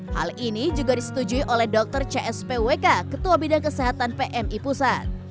hal ini juga disetujui oleh dokter cspwk ketua bidang kesehatan pmi pusat